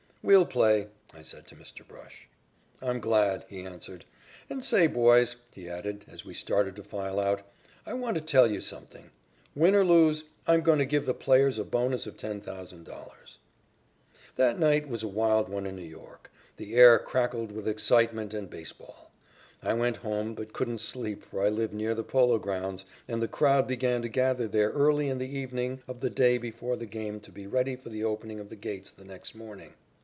"We'll play," I said to Mr. Brush. "I'm glad," he answered. "And, say, boys," he added, as we started to file out, "I want to tell you something. Win or lose, I'm going to give the players a bonus of $10,000." That night was a wild one in New York. The air crackled with excitement and baseball. I went home, but couldn't sleep for I live near the Polo Grounds, and the crowd began to gather there early in the evening of the day before the game to be ready for the opening of the gates the next morning.